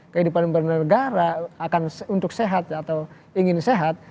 kehidupan bernegara akan untuk sehat atau ingin sehat